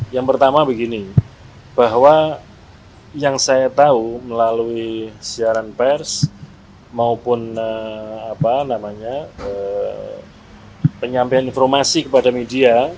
yang pertama begini bahwa yang saya tahu melalui siaran pers maupun penyampaian informasi kepada media